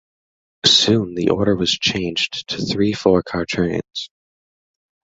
Soon the order was changed to three four-car trains.